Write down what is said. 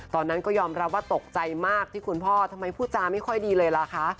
ตอนนั้นก็ยอมรับว่าตกใจมากที่คุณพ่อทำไมพูดจาไม่ค่อยดีเลยล่ะคะ